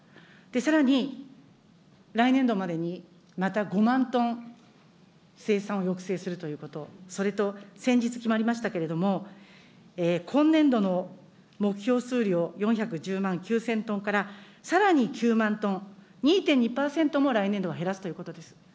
さらに、来年度までにまた５万トン生産を抑制するということ、それと、先日決まりましたけれども、今年度の目標数量４１０万９０００トンからさらに９万トン、２．２％も来年度は減らすということです。